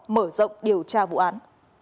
mở rộng điều tra vụ án